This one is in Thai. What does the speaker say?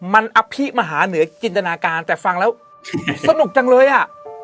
มันอภิมหาเหนือจินตนาการแต่ฟังแล้วสนุกจังเลยอ่ะ